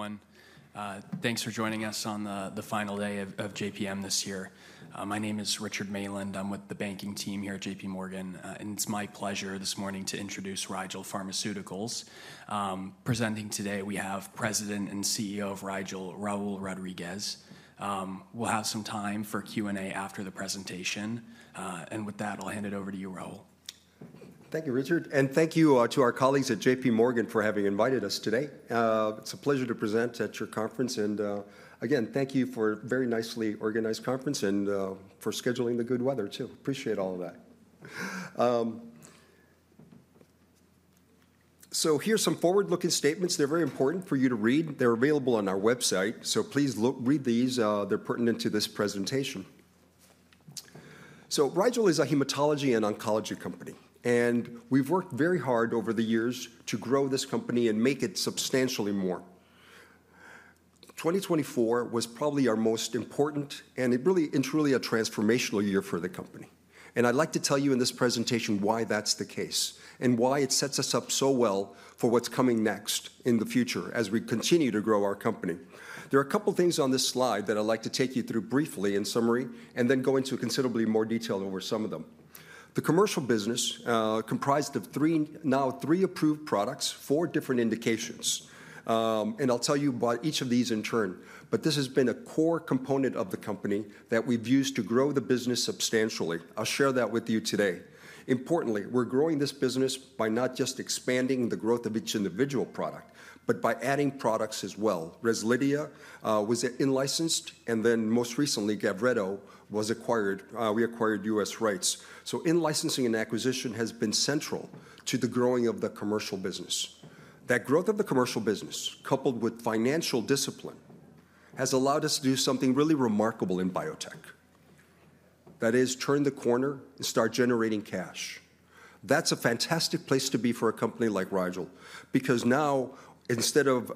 Good morning, everyone. Thanks for joining us on the final day of JPM this year. My name is Richard Mayland. I'm with the banking team here at J.P. Morgan, and it's my pleasure this morning to introduce Rigel Pharmaceuticals. Presenting today, we have President and CEO of Rigel, Raul Rodriguez. We'll have some time for Q&A after the presentation, and with that, I'll hand it over to you, Raul. Thank you, Richard. And thank you to our colleagues at J.P. Morgan for having invited us today. It's a pleasure to present at your conference. And again, thank you for a very nicely organized conference and for scheduling the good weather, too. Appreciate all of that. So here are some forward-looking statements. They're very important for you to read. They're available on our website, so please read these. They're pertinent to this presentation. So Rigel is a hematology and oncology company. And we've worked very hard over the years to grow this company and make it substantially more. 2024 was probably our most important and really truly a transformational year for the company. And I'd like to tell you in this presentation why that's the case and why it sets us up so well for what's coming next in the future as we continue to grow our company. There are a couple of things on this slide that I'd like to take you through briefly in summary and then go into considerably more detail over some of them. The commercial business comprised of now three approved products for different indications, and I'll tell you about each of these in turn, but this has been a core component of the company that we've used to grow the business substantially. I'll share that with you today. Importantly, we're growing this business by not just expanding the growth of each individual product, but by adding products as well. Rezlidhia was in-licensed, and then most recently, Gavretto was acquired. We acquired U.S. rights, so in-licensing and acquisition has been central to the growing of the commercial business. That growth of the commercial business, coupled with financial discipline, has allowed us to do something really remarkable in biotech. That is, turn the corner and start generating cash. That's a fantastic place to be for a company like Rigel because now, instead of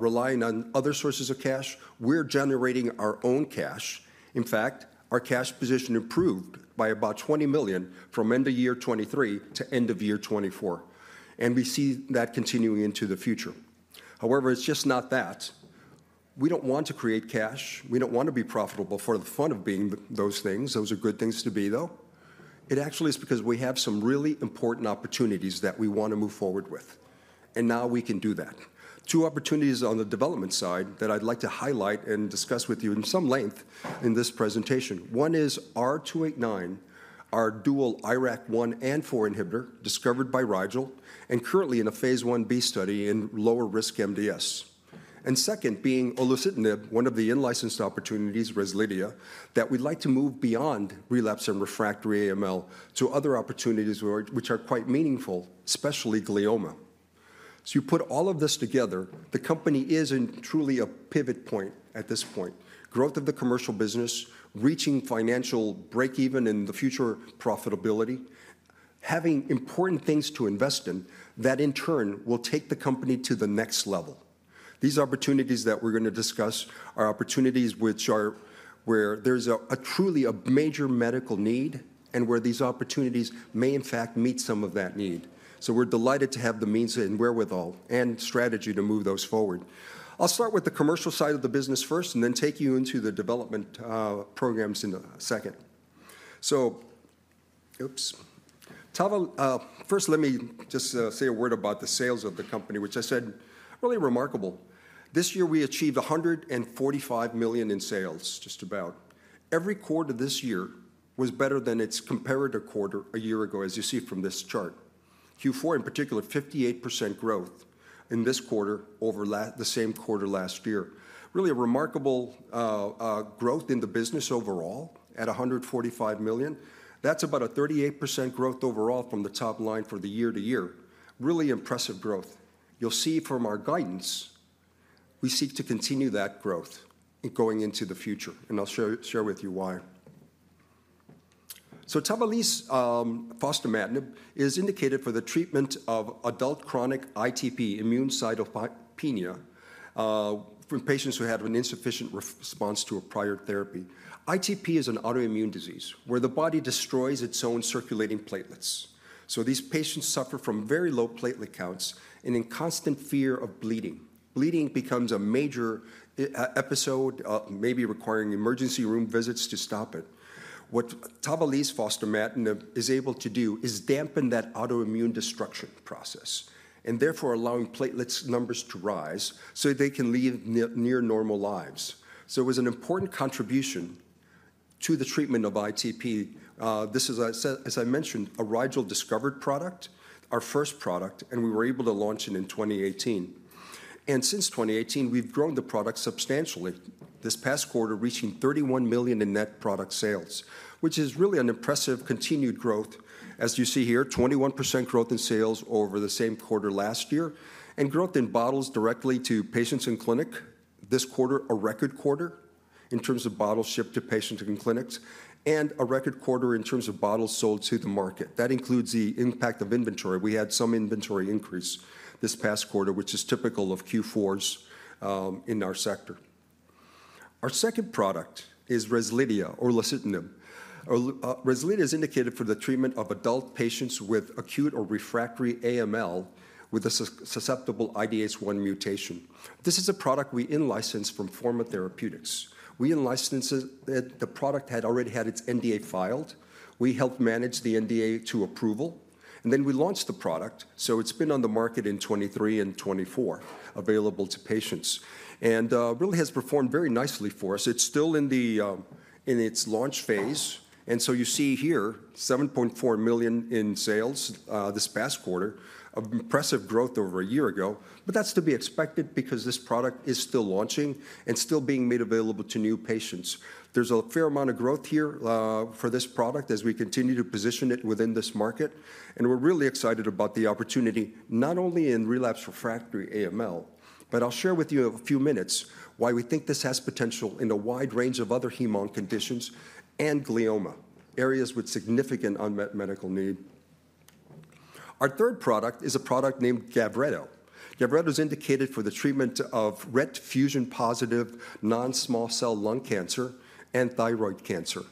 relying on other sources of cash, we're generating our own cash. In fact, our cash position improved by about $20 million from end of year 2023 to end of year 2024. And we see that continuing into the future. However, it's just not that. We don't want to create cash. We don't want to be profitable for the fun of being those things. Those are good things to be, though. It actually is because we have some really important opportunities that we want to move forward with. And now we can do that. Two opportunities on the development side that I'd like to highlight and discuss with you in some length in this presentation. One is R289, our dual IRAK1 and 4 inhibitor discovered by Rigel and currently in a phase 1B study in lower risk MDS, and second, being olutasidenib, one of the in-licensed opportunities, Rezlidhia, that we'd like to move beyond relapsed and refractory AML to other opportunities which are quite meaningful, especially glioma, so you put all of this together, the company is truly a pivot point at this point. Growth of the commercial business, reaching financial breakeven and the future profitability, having important things to invest in that in turn will take the company to the next level. These opportunities that we're going to discuss are opportunities where there's truly a major medical need and where these opportunities may, in fact, meet some of that need, so we're delighted to have the means and wherewithal and strategy to move those forward. I'll start with the commercial side of the business first and then take you into the development programs in a second, so first, let me just say a word about the sales of the company, which I said really remarkable. This year, we achieved $145 million in sales, just about. Every quarter this year was better than its comparator quarter a year ago, as you see from this chart. Q4, in particular, 58% growth in this quarter over the same quarter last year. Really a remarkable growth in the business overall at $145 million. That's about a 38% growth overall from the top line for the year to year. Really impressive growth. You'll see from our guidance we seek to continue that growth going into the future, and I'll share with you why. Tavalis fostamatinib is indicated for the treatment of adult chronic ITP, immune thrombocytopenia, for patients who have an insufficient response to a prior therapy. ITP is an autoimmune disease where the body destroys its own circulating platelets. These patients suffer from very low platelet counts and in constant fear of bleeding. Bleeding becomes a major episode, maybe requiring emergency room visits to stop it. What Tavalis fostamatinib is able to do is dampen that autoimmune destruction process and therefore allowing platelet numbers to rise so they can lead near normal lives. It was an important contribution to the treatment of ITP. This is, as I mentioned, a Rigel discovered product, our first product, and we were able to launch it in 2018. Since 2018, we've grown the product substantially, this past quarter reaching $31 million in net product sales, which is really an impressive continued growth, as you see here, 21% growth in sales over the same quarter last year. Growth in bottles directly to patients in clinic this quarter, a record quarter in terms of bottles shipped to patients in clinics, and a record quarter in terms of bottles sold to the market. That includes the impact of inventory. We had some inventory increase this past quarter, which is typical of Q4s in our sector. Our second product is Rezlidhia, olutasidenib. Rezlidhia is indicated for the treatment of adult patients with acute or refractory AML with a susceptible IDH1 mutation. This is a product we in-licensed from Forma Therapeutics. We in-licensed it. The product had already had its NDA filed. We helped manage the NDA to approval. And then we launched the product. So it's been on the market in 2023 and 2024, available to patients. And really has performed very nicely for us. It's still in its launch phase. And so you see here, $7.4 million in sales this past quarter, of impressive growth over a year ago. But that's to be expected because this product is still launching and still being made available to new patients. There's a fair amount of growth here for this product as we continue to position it within this market. And we're really excited about the opportunity, not only in relapse refractory AML, but I'll share with you in a few minutes why we think this has potential in a wide range of other hemo-onc conditions and glioma, areas with significant unmet medical need. Our third product is a product named Gavretto. Gavretto is indicated for the treatment of RET fusion positive non-small cell lung cancer and thyroid cancer.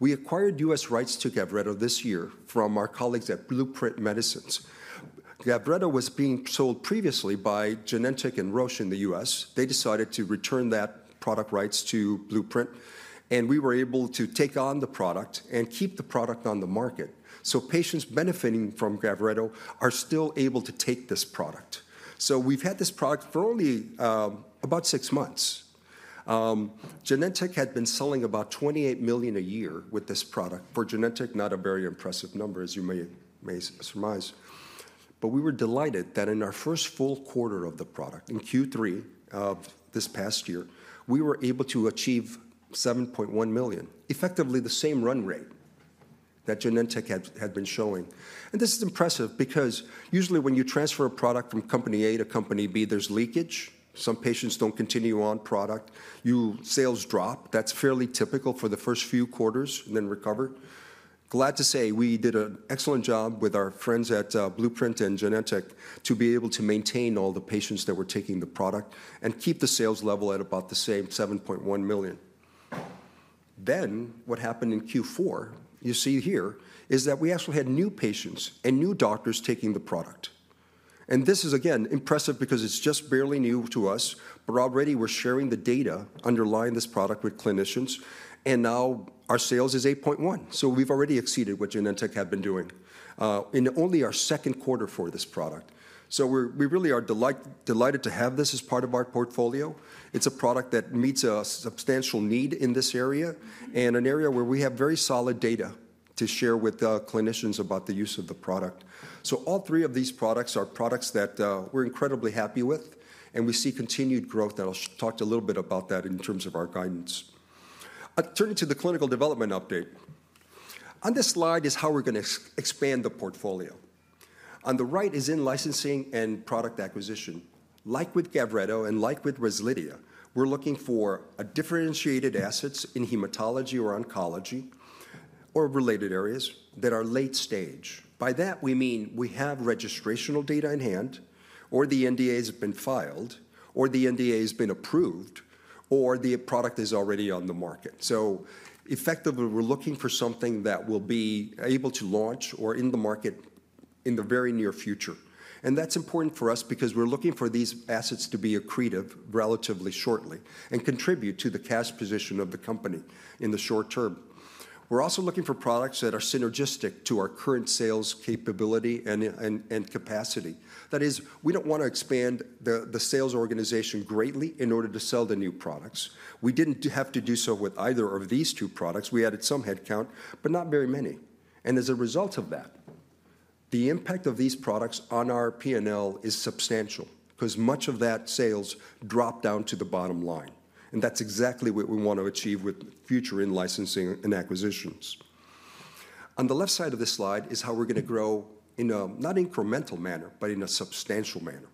We acquired U.S. rights to Gavretto this year from our colleagues at Blueprint Medicines. Gavretto was being sold previously by Genentech and Roche in the U.S. They decided to return that product rights to Blueprint, and we were able to take on the product and keep the product on the market, so patients benefiting from Gavretto are still able to take this product. So we've had this product for only about six months. Genentech had been selling about $28 million a year with this product for Genentech, not a very impressive number, as you may surmise. But we were delighted that in our first full quarter of the product, in Q3 of this past year, we were able to achieve $7.1 million, effectively the same run rate that Genentech had been showing. And this is impressive because usually when you transfer a product from company A to company B, there's leakage. Some patients don't continue on product. Sales drop. That's fairly typical for the first few quarters and then recover. Glad to say we did an excellent job with our friends at Blueprint and Genentech to be able to maintain all the patients that were taking the product and keep the sales level at about the same $7.1 million. Then what happened in Q4, you see here, is that we actually had new patients and new doctors taking the product. And this is, again, impressive because it's just barely new to us, but already we're sharing the data underlying this product with clinicians. And now our sales is $8.1 million. So we've already exceeded what Genentech had been doing in only our second quarter for this product. So we really are delighted to have this as part of our portfolio. It's a product that meets a substantial need in this area and an area where we have very solid data to share with clinicians about the use of the product. So all three of these products are products that we're incredibly happy with. And we see continued growth. And I'll talk a little bit about that in terms of our guidance. Turning to the clinical development update. On this slide is how we're going to expand the portfolio. On the right is in-licensing and product acquisition. Like with Gavretto and like with Rezlidhia, we're looking for differentiated assets in hematology or oncology or related areas that are late stage. By that, we mean we have registrational data in hand, or the NDA has been filed, or the NDA has been approved, or the product is already on the market. So effectively, we're looking for something that will be able to launch or in the market in the very near future, and that's important for us because we're looking for these assets to be accretive relatively shortly and contribute to the cash position of the company in the short term. We're also looking for products that are synergistic to our current sales capability and capacity. That is, we don't want to expand the sales organization greatly in order to sell the new products. We didn't have to do so with either of these two products. We added some headcount, but not very many. As a result of that, the impact of these products on our P&L is substantial because much of that sales dropped down to the bottom line. And that's exactly what we want to achieve with future in-licensing and acquisitions. On the left side of this slide is how we're going to grow in a not incremental manner, but in a substantial manner,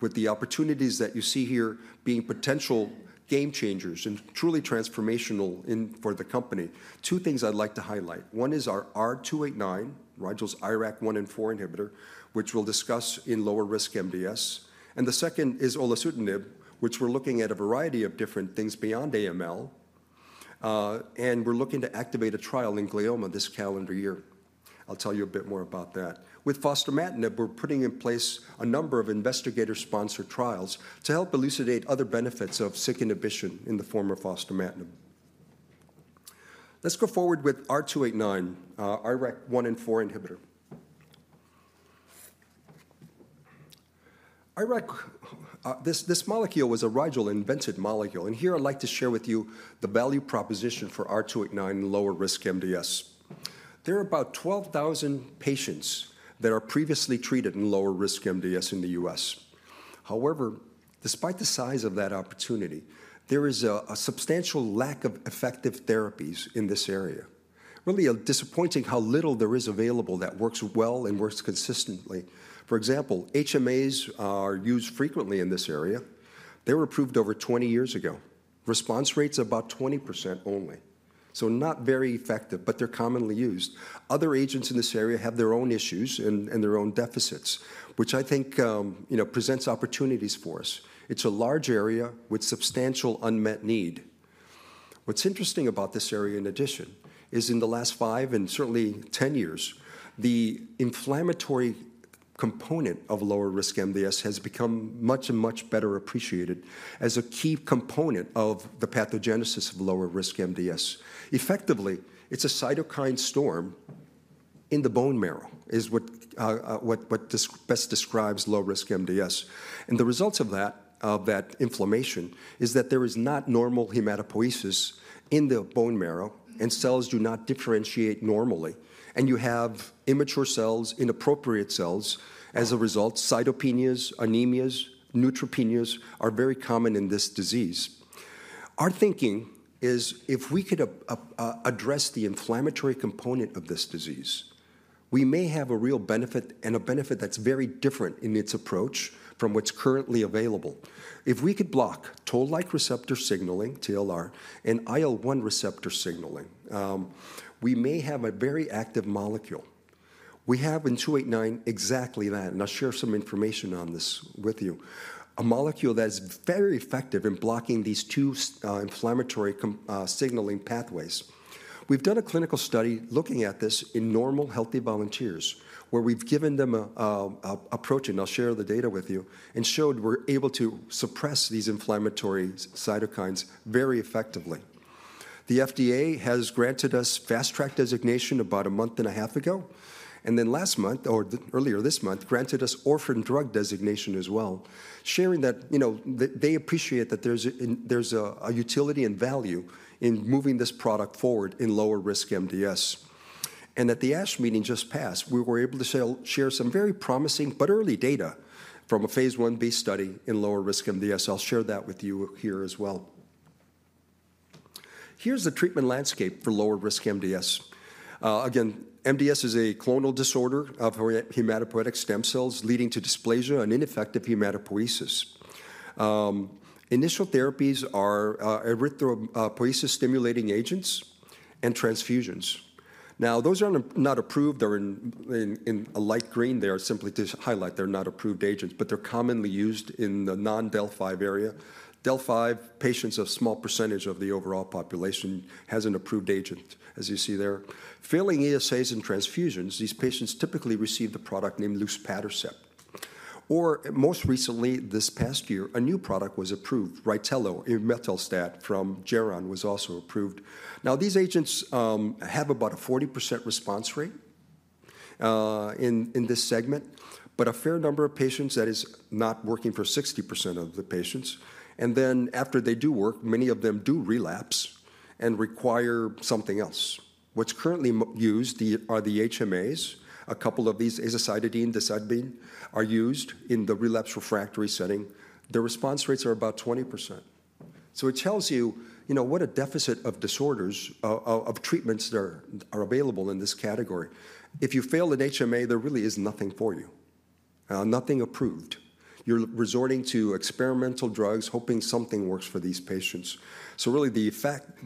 with the opportunities that you see here being potential game changers and truly transformational for the company. Two things I'd like to highlight. One is our R289, Rigel's IRAK1 and 4 inhibitor, which we'll discuss in lower risk MDS. And the second is olutasidenib, which we're looking at a variety of different things beyond AML. And we're looking to activate a trial in glioma this calendar year. I'll tell you a bit more about that. With fostamatinib, we're putting in place a number of investigator-sponsored trials to help elucidate other benefits of Syk inhibition in the form of fostamatinib. Let's go forward with R289, IRAK1/4 inhibitor. This molecule was a Rigel-invented molecule. And here, I'd like to share with you the value proposition for R289 in lower-risk MDS. There are about 12,000 patients that are previously treated in lower-risk MDS in the U.S. However, despite the size of that opportunity, there is a substantial lack of effective therapies in this area. Really disappointing how little there is available that works well and works consistently. For example, HMAs are used frequently in this area. They were approved over 20 years ago. Response rate's about 20% only. So not very effective, but they're commonly used. Other agents in this area have their own issues and their own deficits, which I think presents opportunities for us. It's a large area with substantial unmet need. What's interesting about this area, in addition, is in the last five and certainly 10 years, the inflammatory component of lower risk MDS has become much and much better appreciated as a key component of the pathogenesis of lower risk MDS. Effectively, it's a cytokine storm in the bone marrow is what best describes low risk MDS. And the results of that inflammation is that there is not normal hematopoiesis in the bone marrow, and cells do not differentiate normally. And you have immature cells, inappropriate cells. As a result, cytopenias, anemias, neutropenias are very common in this disease. Our thinking is if we could address the inflammatory component of this disease, we may have a real benefit and a benefit that's very different in its approach from what's currently available. If we could block toll-like receptor signaling, TLR, and IL-1 receptor signaling, we may have a very active molecule. We have in R289 exactly that, and I'll share some information on this with you. A molecule that's very effective in blocking these two inflammatory signaling pathways. We've done a clinical study looking at this in normal healthy volunteers where we've given them a protein. I'll share the data with you, and showed we're able to suppress these inflammatory cytokines very effectively. The FDA has granted us Fast Track designation about a month and a half ago. Then last month, or earlier this month, granted us orphan drug designation as well, sharing that they appreciate that there's a utility and value in moving this product forward in lower risk MDS. At the ASH meeting just passed, we were able to share some very promising but early data from a phase one B study in lower risk MDS. I'll share that with you here as well. Here's the treatment landscape for lower risk MDS. Again, MDS is a clonal disorder of hematopoietic stem cells leading to dysplasia and ineffective hematopoiesis. Initial therapies are erythropoiesis stimulating agents and transfusions. Now, those are not approved. They're in light green. They are simply to highlight they're not approved agents, but they're commonly used in the non-del(5q) area. Del(5q) patients are a small percentage of the overall population. Has an approved agent, as you see there. Failing ESAs and transfusions, these patients typically receive the product named luspatercept. Or most recently, this past year, a new product was approved, Rytelo or imetelstat from Geron was also approved. Now, these agents have about a 40% response rate in this segment, but a fair number of patients that is not working for 60% of the patients. And then after they do work, many of them do relapse and require something else. What's currently used are the HMAs. A couple of these, azacitidine, decitabine, are used in the relapsed/refractory setting. The response rates are about 20%. So it tells you what a deficit of disorders, of treatments that are available in this category. If you fail an HMA, there really is nothing for you, nothing approved. You're resorting to experimental drugs, hoping something works for these patients. So really, the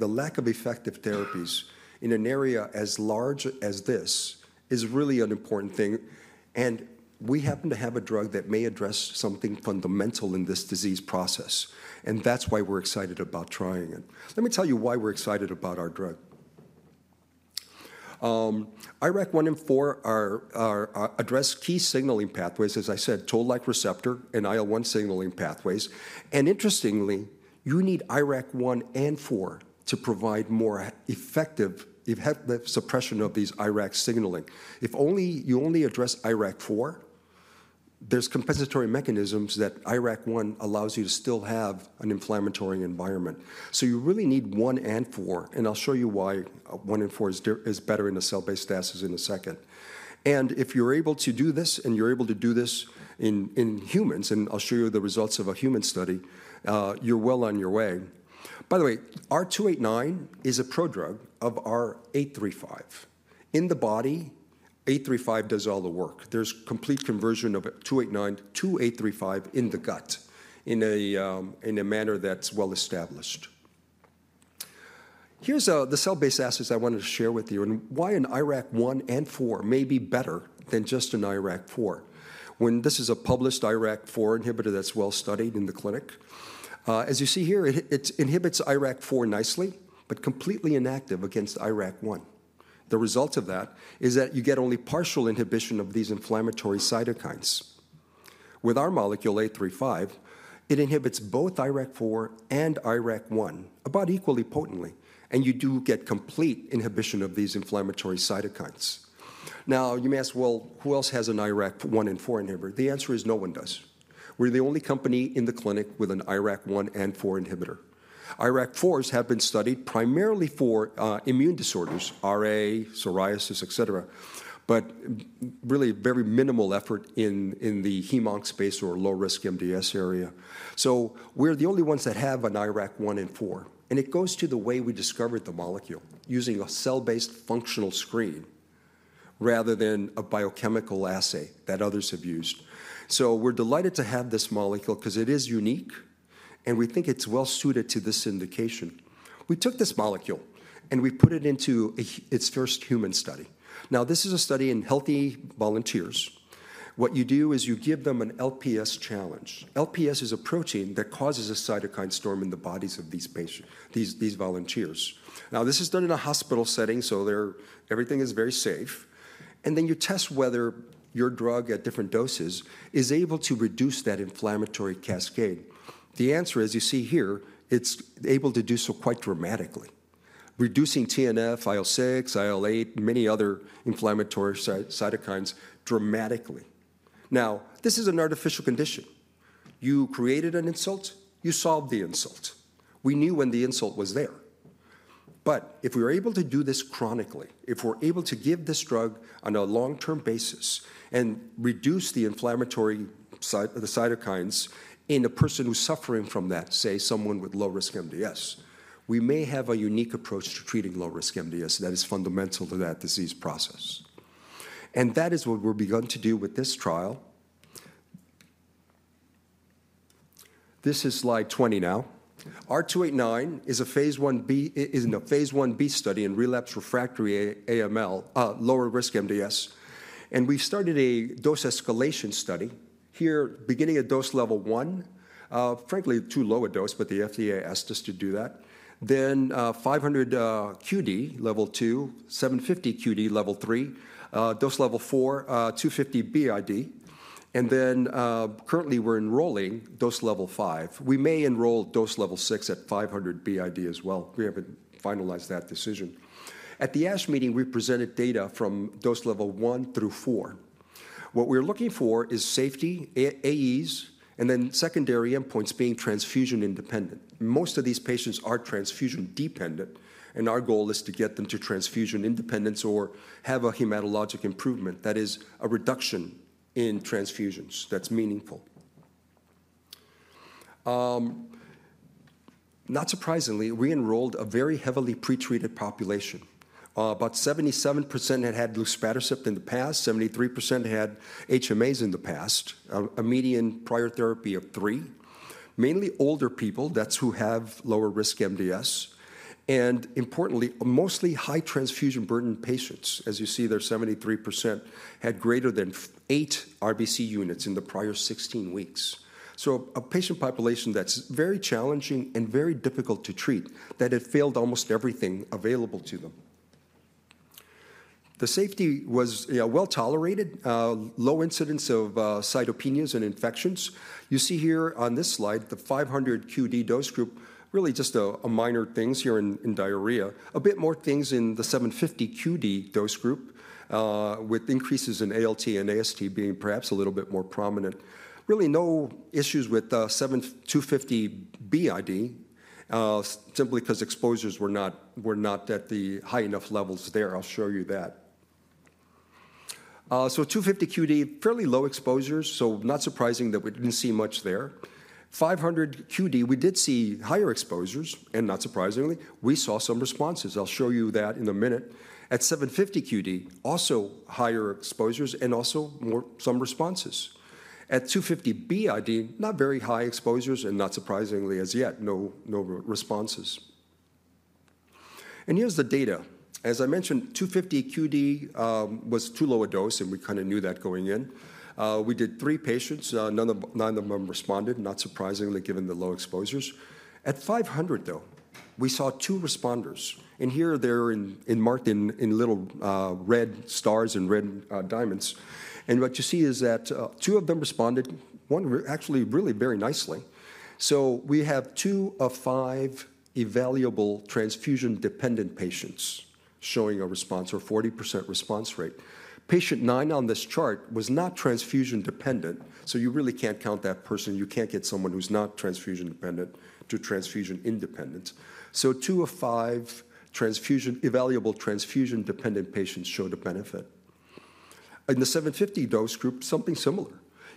lack of effective therapies in an area as large as this is really an important thing. And we happen to have a drug that may address something fundamental in this disease process. And that's why we're excited about trying it. Let me tell you why we're excited about our drug. IRAK1 and 4 address key signaling pathways, as I said, toll-like receptor and IL-1 signaling pathways. And interestingly, you need IRAK1 and 4 to provide more effective suppression of these IRAK signaling. If you only address IRAK4, there's compensatory mechanisms that IRAK1 allows you to still have an inflammatory environment. So you really need one and four. And I'll show you why one and four is better in a cell-based assay in a second. If you're able to do this and you're able to do this in humans, and I'll show you the results of a human study, you're well on your way. By the way, R289 is a prodrug of our A35. In the body, A35 does all the work. There's complete conversion of 289 to A35 in the gut in a manner that's well established. Here's the cell-based assays I wanted to share with you and why an IRAK1 and 4 may be better than just an IRAK4. When this is a published IRAK4 inhibitor that's well studied in the clinic. As you see here, it inhibits IRAK4 nicely, but completely inactive against IRAK1. The result of that is that you get only partial inhibition of these inflammatory cytokines. With our molecule A35, it inhibits both IRAK4 and IRAK1 about equally potently. You do get complete inhibition of these inflammatory cytokines. Now, you may ask, well, who else has an IRAK1 and 4 inhibitor? The answer is no one does. We're the only company in the clinic with an IRAK1 and 4 inhibitor. IRAK4s have been studied primarily for immune disorders, RA, psoriasis, et cetera, et cetera, but really very minimal effort in the hem-onc space or low risk MDS area. We're the only ones that have an IRAK1 and 4. It goes to the way we discovered the molecule using a cell-based functional screen rather than a biochemical assay that others have used. We're delighted to have this molecule because it is unique, and we think it's well suited to this indication. We took this molecule, and we put it into its first human study. Now, this is a study in healthy volunteers. What you do is you give them an LPS challenge. LPS is a protein that causes a cytokine storm in the bodies of these volunteers. Now, this is done in a hospital setting, so everything is very safe, and then you test whether your drug at different doses is able to reduce that inflammatory cascade. The answer is, you see here, it's able to do so quite dramatically, reducing TNF, IL-6, IL-8, many other inflammatory cytokines dramatically. Now, this is an artificial condition. You created an insult. You solved the insult. We knew when the insult was there. But if we were able to do this chronically, if we're able to give this drug on a long-term basis and reduce the inflammatory cytokines in a person who's suffering from that, say someone with low risk MDS, we may have a unique approach to treating low risk MDS that is fundamental to that disease process. And that is what we've begun to do with this trial. This is slide 20 now. R289 is a phase 1b study in relapsed refractory AML, lower risk MDS. And we started a dose escalation study here, beginning at dose level one. Frankly, too low a dose, but the FDA asked us to do that. Then 500 QD level two, 750 QD level three, dose level four, 250 BID. And then currently, we're enrolling dose level five. We may enroll dose level six at 500 BID as well. We haven't finalized that decision. At the ASH meeting, we presented data from dose level one through four. What we're looking for is safety, AEs, and then secondary endpoints being transfusion independent. Most of these patients are transfusion dependent, and our goal is to get them to transfusion independence or have a hematologic improvement. That is a reduction in transfusions that's meaningful. Not surprisingly, we enrolled a very heavily pretreated population. About 77% had had luspatercept in the past. 73% had HMAs in the past, a median prior therapy of three. Mainly older people, that's who have lower risk MDS, and importantly, mostly high transfusion burden patients. As you see there, 73% had greater than eight RBC units in the prior 16 weeks, so a patient population that's very challenging and very difficult to treat that had failed almost everything available to them. The safety was well tolerated, low incidence of cytopenias and infections. You see here on this slide, the 500 QD dose group, really just minor things here in diarrhea. A bit more things in the 750 QD dose group with increases in ALT and AST being perhaps a little bit more prominent. Really no issues with 250 BID simply because exposures were not at the high enough levels there. I'll show you that. So 250 QD, fairly low exposures, so not surprising that we didn't see much there. 500 QD, we did see higher exposures, and not surprisingly, we saw some responses. I'll show you that in a minute. At 750 QD, also higher exposures and also some responses. At 250 BID, not very high exposures, and not surprisingly as yet, no responses. And here's the data. As I mentioned, 250 QD was too low a dose, and we kind of knew that going in. We did three patients. None of them responded, not surprisingly given the low exposures. At 500, though, we saw two responders, and here they're marked in little red stars and red diamonds, and what you see is that two of them responded, one actually really very nicely, so we have two of five evaluable transfusion dependent patients showing a response or 40% response rate. Patient nine on this chart was not transfusion dependent, so you really can't count that person. You can't get someone who's not transfusion dependent to transfusion independent, so two of five evaluable transfusion dependent patients showed a benefit. In the 750 dose group, something similar.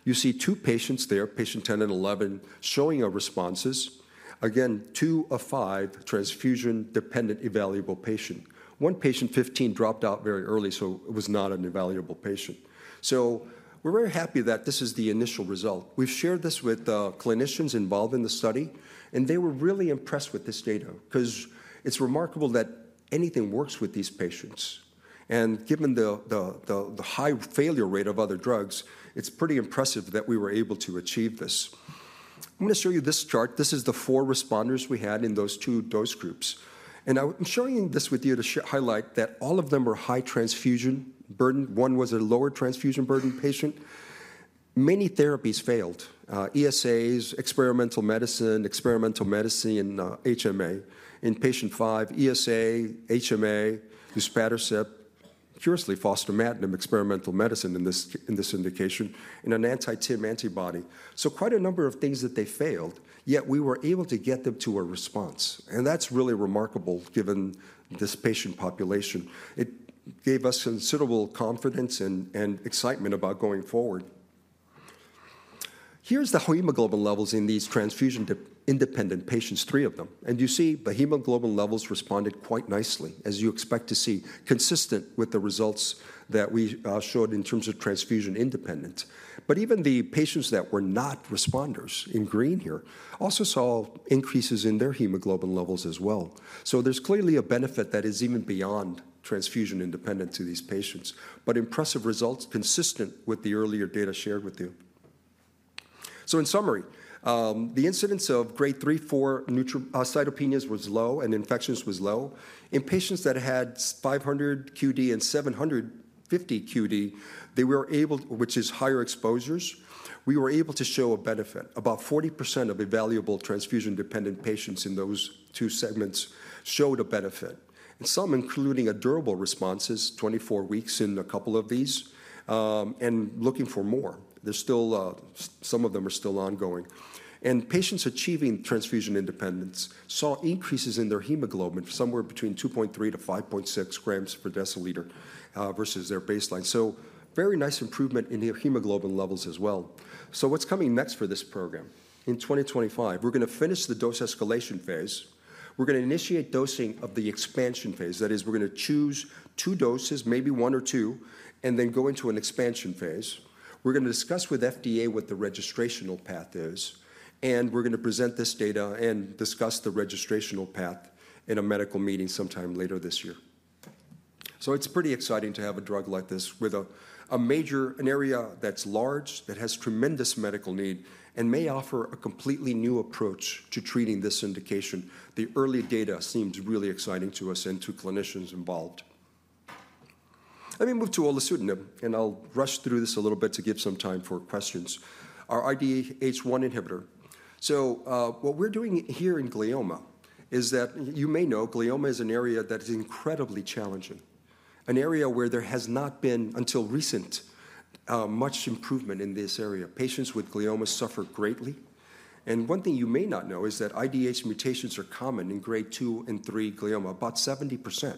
You see two patients there, patient 10 and 11, showing our responses. Again, two of five transfusion dependent evaluable patients. One patient, 15, dropped out very early, so it was not an evaluable patient, so we're very happy that this is the initial result. We've shared this with clinicians involved in the study, and they were really impressed with this data because it's remarkable that anything works with these patients, and given the high failure rate of other drugs, it's pretty impressive that we were able to achieve this. I'm going to show you this chart. This is the four responders we had in those two dose groups, and I'm showing this with you to highlight that all of them were high transfusion burden. One was a lower transfusion burden patient. Many therapies failed: ESAs, experimental medicine, experimental medicine, and HMA. In patient five, ESA, HMA, luspatercept, curiously fostamatinib experimental medicine in this indication, and an anti-TIM antibody. So quite a number of things that they failed, yet we were able to get them to a response, and that's really remarkable given this patient population. It gave us considerable confidence and excitement about going forward. Here's the hemoglobin levels in these transfusion independent patients, three of them. And you see the hemoglobin levels responded quite nicely, as you expect to see, consistent with the results that we showed in terms of transfusion independent. But even the patients that were not responders in green here also saw increases in their hemoglobin levels as well. So there's clearly a benefit that is even beyond transfusion independent to these patients, but impressive results consistent with the earlier data shared with you. So in summary, the incidence of grade three, four cytopenias was low and infections was low. In patients that had 500 QD and 750 QD, they were able, which is higher exposures, we were able to show a benefit. About 40% of evaluable transfusion dependent patients in those two segments showed a benefit. Some, including a durable responses, 24 weeks in a couple of these, and looking for more. There's still some of them are still ongoing. Patients achieving transfusion independence saw increases in their hemoglobin somewhere between 2.3 to 5.6 grams per deciliter versus their baseline. Very nice improvement in their hemoglobin levels as well. What's coming next for this program? In 2025, we're going to finish the dose escalation phase. We're going to initiate dosing of the expansion phase. That is, we're going to choose two doses, maybe one or two, and then go into an expansion phase. We're going to discuss with FDA what the registrational path is. We're going to present this data and discuss the registrational path in a medical meeting sometime later this year. So it's pretty exciting to have a drug like this with a major area that's large, that has tremendous medical need, and may offer a completely new approach to treating this indication. The early data seems really exciting to us and to clinicians involved. Let me move to olutasidenib, and I'll rush through this a little bit to give some time for questions. Our IDH1 inhibitor. So what we're doing here in glioma is that you may know glioma is an area that is incredibly challenging, an area where there has not been until recent much improvement in this area. Patients with glioma suffer greatly. And one thing you may not know is that IDH mutations are common in grade two and three glioma, about 70%.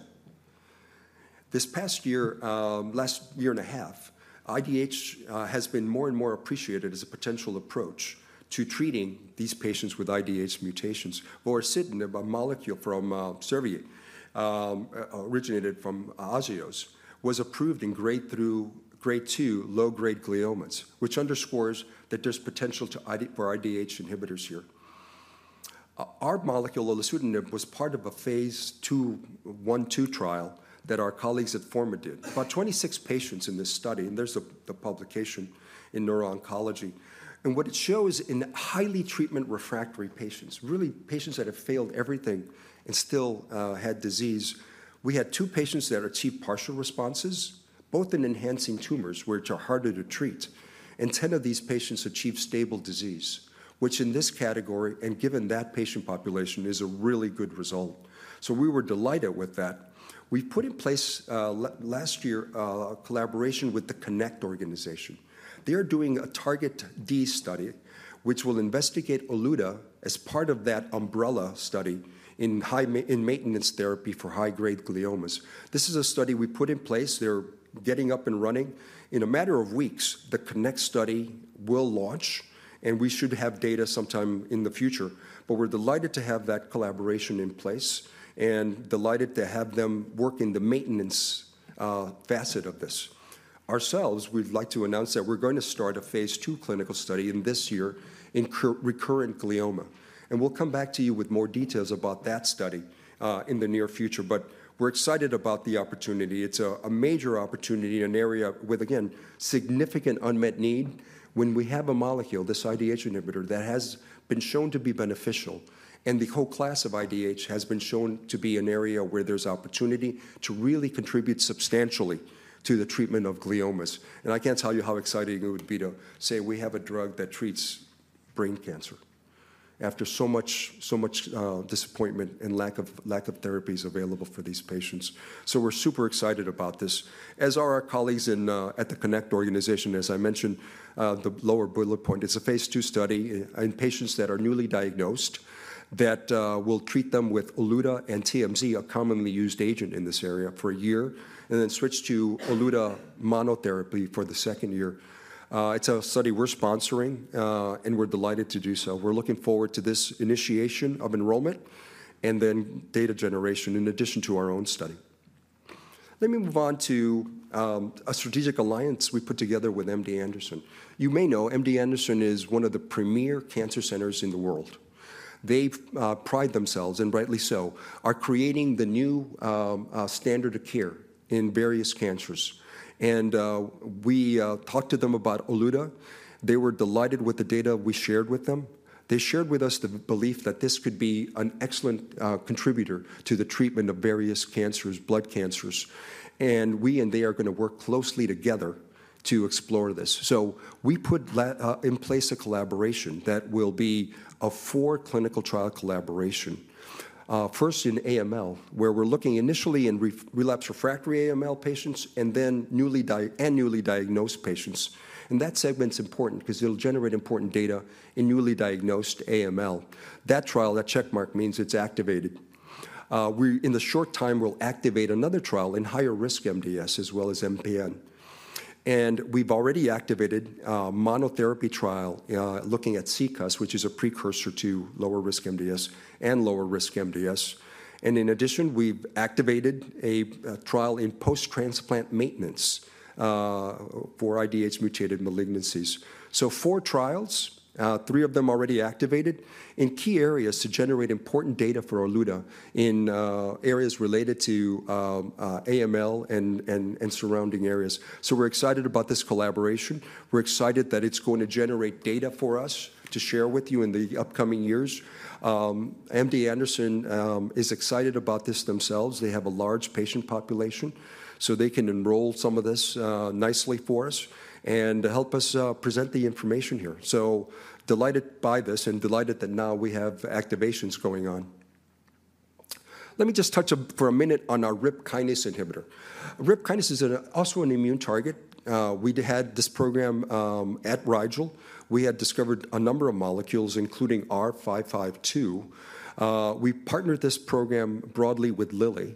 This past year, last year and a half, IDH has been more and more appreciated as a potential approach to treating these patients with IDH mutations. Vorasidenib, a molecule from Servier, originated from Agios, was approved in grade 1 through grade 2 low-grade gliomas, which underscores that there's potential for IDH inhibitors here. Our molecule olutasidenib was part of a phase 2, 1-2 trial that our colleagues at Forma did. About 26 patients in this study, and there's the publication in Neuro-Oncology, and what it shows in highly treatment refractory patients, really patients that have failed everything and still had disease. We had two patients that achieved partial responses, both in enhancing tumors, which are harder to treat, and 10 of these patients achieved stable disease, which in this category, and given that patient population, is a really good result, and we were delighted with that. We've put in place last year a collaboration with the CONNECT organization. They are doing a TarGeT-D study, which will investigate Oluda as part of that umbrella study in maintenance therapy for high-grade gliomas. This is a study we put in place. They're getting up and running. In a matter of weeks, the CONNECT study will launch, and we should have data sometime in the future. But we're delighted to have that collaboration in place and delighted to have them work in the maintenance facet of this. Ourselves, we'd like to announce that we're going to start a phase two clinical study in this year in recurrent glioma. And we'll come back to you with more details about that study in the near future. But we're excited about the opportunity. It's a major opportunity in an area with, again, significant unmet need when we have a molecule, this IDH inhibitor, that has been shown to be beneficial, and the whole class of IDH has been shown to be an area where there's opportunity to really contribute substantially to the treatment of gliomas, and I can't tell you how exciting it would be to say we have a drug that treats brain cancer after so much disappointment and lack of therapies available for these patients, so we're super excited about this, as are our colleagues at the CONNECT organization. As I mentioned, the lower bullet point, it's a phase two study in patients that are newly diagnosed that we'll treat them with Oluda and TMZ, a commonly used agent in this area, for a year, and then switch to Oluda monotherapy for the second year. It's a study we're sponsoring, and we're delighted to do so. We're looking forward to this initiation of enrollment and then data generation in addition to our own study. Let me move on to a strategic alliance we put together with MD Anderson. You may know MD Anderson is one of the premier cancer centers in the world. They pride themselves, and rightly so, are creating the new standard of care in various cancers. And we talked to them about Oluda. They were delighted with the data we shared with them. They shared with us the belief that this could be an excellent contributor to the treatment of various cancers, blood cancers. And we and they are going to work closely together to explore this. So we put in place a collaboration that will be a four clinical trial collaboration, first in AML, where we're looking initially in relapsed refractory AML patients and then newly diagnosed patients. And that segment's important because it'll generate important data in newly diagnosed AML. That trial, that checkmark means it's activated. In the short time, we'll activate another trial in higher risk MDS as well as MPN. And we've already activated a monotherapy trial looking at CCUS, which is a precursor to lower risk MDS, and lower risk MDS. And in addition, we've activated a trial in post-transplant maintenance for IDH mutated malignancies. So four trials, three of them already activated in key areas to generate important data for Oluda in areas related to AML and surrounding areas. So we're excited about this collaboration. We're excited that it's going to generate data for us to share with you in the upcoming years. MD Anderson is excited about this themselves. They have a large patient population, so they can enroll some of this nicely for us and help us present the information here. So delighted by this and delighted that now we have activations going on. Let me just touch for a minute on our RIPK1 inhibitor. RIPK1 is also an immune target. We had this program at Rigel. We had discovered a number of molecules, including R552. We partnered this program broadly with Lilly.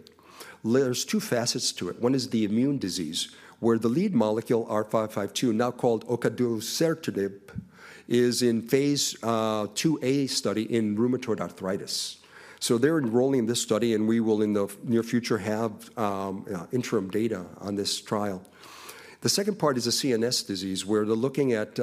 There's two facets to it. One is the immune disease, where the lead molecule R552, now called ocaducertinib, is in phase 2A study in rheumatoid arthritis. So they're enrolling this study, and we will in the near future have interim data on this trial. The second part is a CNS disease where they're looking at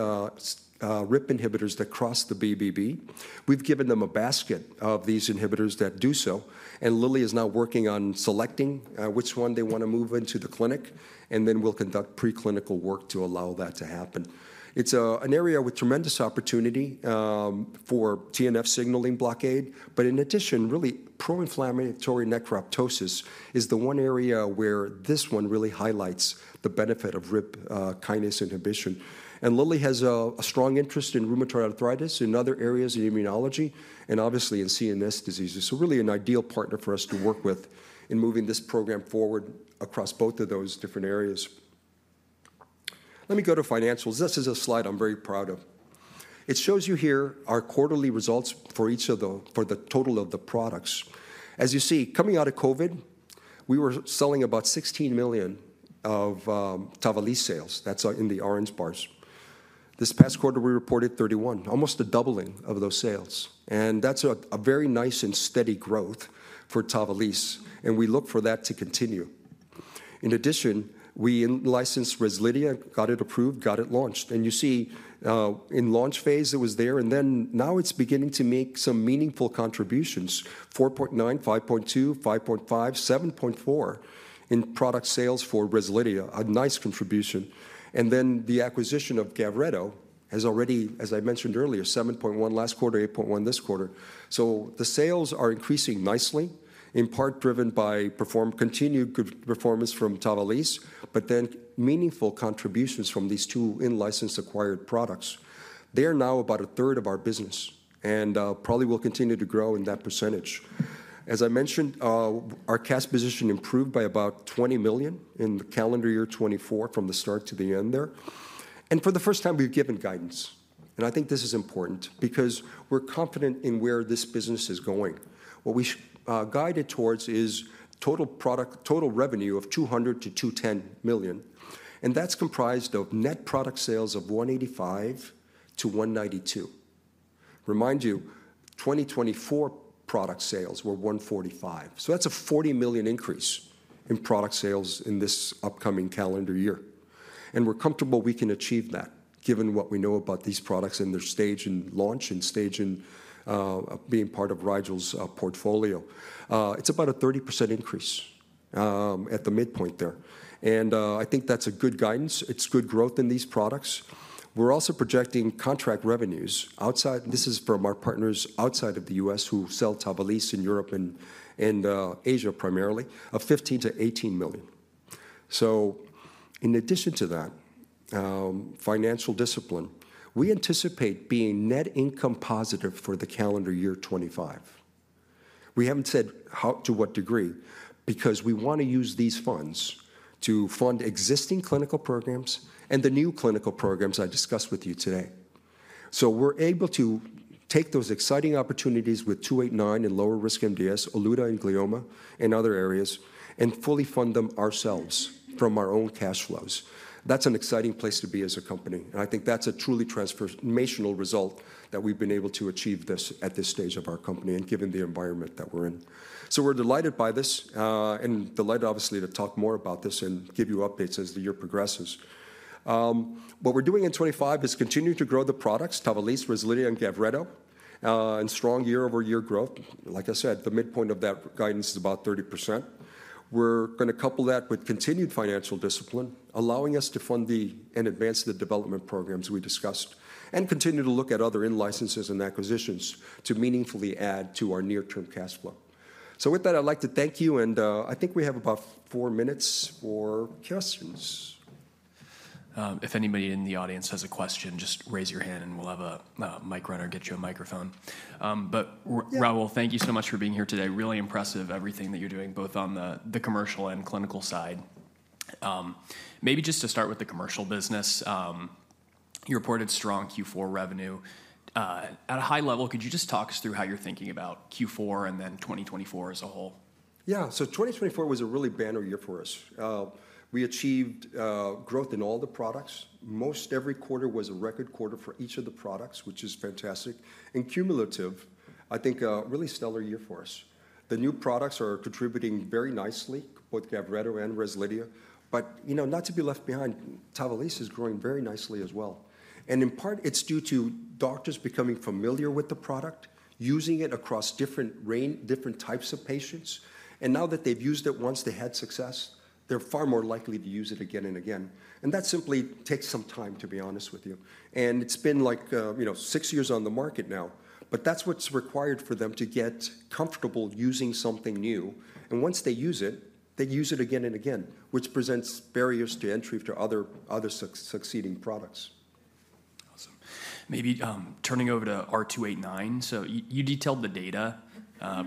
RIP inhibitors that cross the BBB. We've given them a basket of these inhibitors that do so. And Lilly is now working on selecting which one they want to move into the clinic. And then we'll conduct preclinical work to allow that to happen. It's an area with tremendous opportunity for TNF signaling blockade. But in addition, really pro-inflammatory necroptosis is the one area where this one really highlights the benefit of RIP kinase inhibition. And Lilly has a strong interest in rheumatoid arthritis and other areas of immunology and obviously in CNS diseases. So really an ideal partner for us to work with in moving this program forward across both of those different areas. Let me go to financials. This is a slide I'm very proud of. It shows you here our quarterly results for each of the total of the products. As you see, coming out of COVID, we were selling about $16 million of Tavalis sales. That's in the orange bars. This past quarter, we reported $31 million, almost a doubling of those sales. And that's a very nice and steady growth for Tavalis. And we look for that to continue. In addition, we licensed Rezlidhia, got it approved, got it launched. And you see in launch phase, it was there. And then now it's beginning to make some meaningful contributions: $4.9 million, $5.2 million, $5.5 million, $7.4 million in product sales for Rezlidhia, a nice contribution. And then the acquisition of Gavreto has already, as I mentioned earlier, $7.1 million last quarter, $8.1 million this quarter. So the sales are increasing nicely, in part driven by continued performance from Tavalis, but then meaningful contributions from these two in-license acquired products. They are now about a third of our business and probably will continue to grow in that percentage. As I mentioned, our cash position improved by about $20 million in the calendar year 2024 from the start to the end there. And for the first time, we've given guidance. And I think this is important because we're confident in where this business is going. What we guided towards is total revenue of $200 million-$210 million. And that's comprised of net product sales of $185 million-$192 million. Remind you, 2024 product sales were $145 million. So that's a $40 million increase in product sales in this upcoming calendar year. And we're comfortable we can achieve that given what we know about these products and their stage in launch and stage in being part of Rigel's portfolio. It's about a 30% increase at the midpoint there. And I think that's good guidance. It's good growth in these products. We're also projecting contract revenues outside. This is from our partners outside of the U.S. who sell Tavalis in Europe and Asia primarily, of $15-$18 million. So in addition to that, financial discipline, we anticipate being net income positive for the calendar year 2025. We haven't said to what degree because we want to use these funds to fund existing clinical programs and the new clinical programs I discussed with you today. So we're able to take those exciting opportunities with 289 and lower risk MDS, Oluda and glioma and other areas, and fully fund them ourselves from our own cash flows. That's an exciting place to be as a company. I think that's a truly transformational result that we've been able to achieve this at this stage of our company and given the environment that we're in. We're delighted by this and delighted, obviously, to talk more about this and give you updates as the year progresses. What we're doing in 2025 is continue to grow the products, Tavalis, Rezlidhia, and Gavreto, and strong year-over-year growth. Like I said, the midpoint of that guidance is about 30%. We're going to couple that with continued financial discipline, allowing us to fund and advance the development programs we discussed and continue to look at other in-licenses and acquisitions to meaningfully add to our near-term cash flow. With that, I'd like to thank you. I think we have about four minutes for questions. If anybody in the audience has a question, just raise your hand and we'll have a mic runner get you a microphone. Raul, thank you so much for being here today. Really impressive everything that you're doing, both on the commercial and clinical side. Maybe just to start with the commercial business, you reported strong Q4 revenue. At a high level, could you just talk us through how you're thinking about Q4 and then 2024 as a whole? Yeah, so 2024 was a really banner year for us. We achieved growth in all the products. Most every quarter was a record quarter for each of the products, which is fantastic. And cumulative, I think a really stellar year for us. The new products are contributing very nicely, both Gavretto and Rezlidhia. But not to be left behind, Tavalis is growing very nicely as well. And in part, it's due to doctors becoming familiar with the product, using it across different types of patients. Now that they've used it once, they had success, they're far more likely to use it again and again. And that simply takes some time, to be honest with you. And it's been like six years on the market now, but that's what's required for them to get comfortable using something new. And once they use it, they use it again and again, which presents barriers to entry to other succeeding products. Awesome. Maybe turning over to R289. So you detailed the data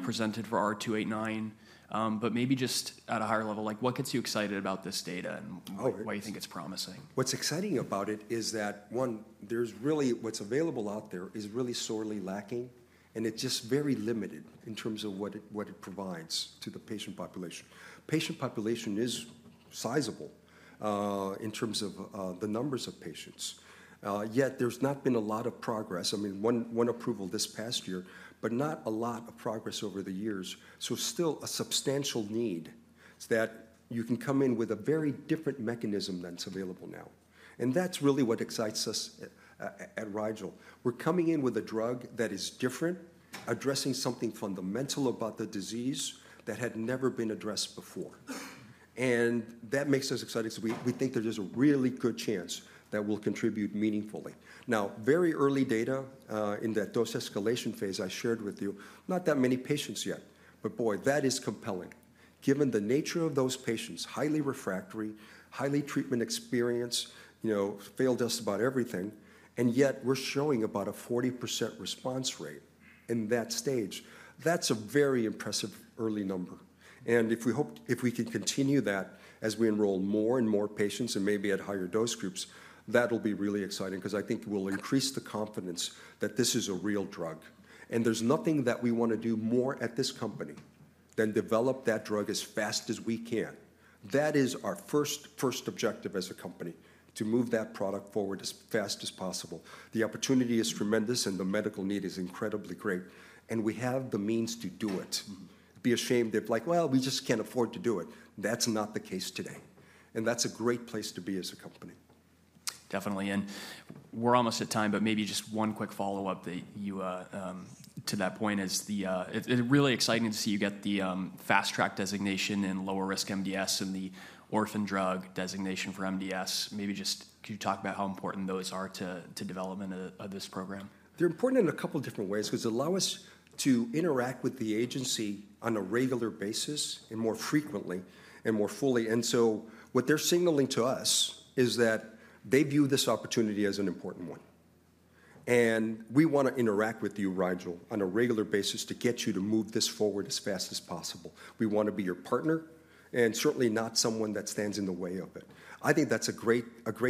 presented for R289, but maybe just at a higher level, what gets you excited about this data and why you think it's promising? What's exciting about it is that, one, there's really what's available out there is really sorely lacking, and it's just very limited in terms of what it provides to the patient population. Patient population is sizable in terms of the numbers of patients. Yet there's not been a lot of progress. I mean, one approval this past year, but not a lot of progress over the years. So still a substantial need that you can come in with a very different mechanism than it's available now. And that's really what excites us at Rigel. We're coming in with a drug that is different, addressing something fundamental about the disease that had never been addressed before. And that makes us excited. So we think there's a really good chance that we'll contribute meaningfully. Now, very early data in that dose escalation phase I shared with you, not that many patients yet, but boy, that is compelling. Given the nature of those patients, highly refractory, highly treatment experience, failed us about everything, and yet we're showing about a 40% response rate in that stage. That's a very impressive early number. If we can continue that as we enroll more and more patients and maybe at higher dose groups, that'll be really exciting because I think we'll increase the confidence that this is a real drug. There's nothing that we want to do more at this company than develop that drug as fast as we can. That is our first objective as a company, to move that product forward as fast as possible. The opportunity is tremendous and the medical need is incredibly great. We have the means to do it. We shouldn't be ashamed of, like, well, we just can't afford to do it. That's not the case today. That's a great place to be as a company. Definitely. And we're almost at time, but maybe just one quick follow-up to that point is it's really exciting to see you get the fast track designation in lower risk MDS and the orphan drug designation for MDS. Maybe just could you talk about how important those are to development of this program? They're important in a couple of different ways because they allow us to interact with the agency on a regular basis and more frequently and more fully. And so what they're signaling to us is that they view this opportunity as an important one. And we want to interact with you, Rigel, on a regular basis to get you to move this forward as fast as possible. We want to be your partner and certainly not someone that stands in the way of it. I think that's a great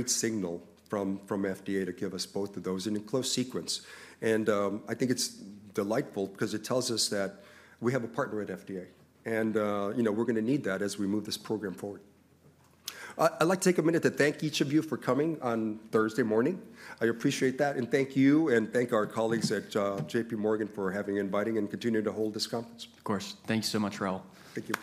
signal from FDA to give us both of those in a close sequence. And I think it's delightful because it tells us that we have a partner at FDA. And we're going to need that as we move this program forward. I'd like to take a minute to thank each of you for coming on Thursday morning. I appreciate that. And thank you and thank our colleagues at J.P. Morgan for having invited and continuing to hold this conference. Of course. Thank you so much, Raul. Thank you.